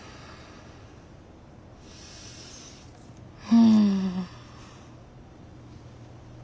うん。